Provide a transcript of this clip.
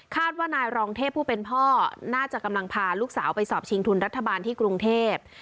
ว่านายรองเทพผู้เป็นพ่อน่าจะกำลังพาลูกสาวไปสอบชิงทุนรัฐบาลที่กรุงเทพ